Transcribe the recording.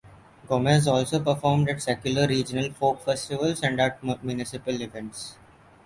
Gomes also performed at secular regional folk festivals and at municipal events.